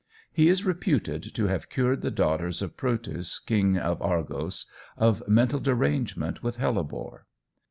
He is reputed to have cured the daughters of Proetus, King of Argos, of mental derangement with hellebore.